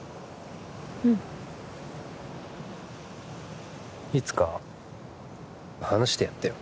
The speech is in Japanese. うんいつか話してやってよ